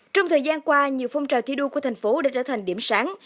trong thời gian qua nhiều phong trào thi đua của thành phố đã trở thành điểm sáng